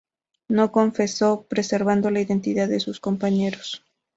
No confesó, preservando la identidad de sus compañeros.